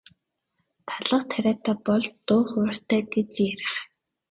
Талх тариатай бол дуу хууртай гэж ярих.